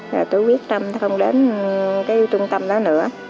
và tôi quyết tâm không đến cái trung tâm đó nữa